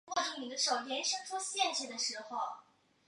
本剧惯用一老一少两个演员扮演同一个角色的不同时期。